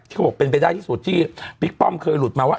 ที่เป็นผลได้สุดที่บิ๊กป้อมลุดมา